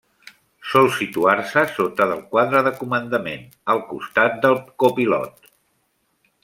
Sol situar-se sota del quadre de comandament, al costat del copilot.